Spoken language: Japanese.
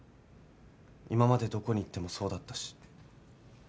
今までどこに行ってもそうだったし。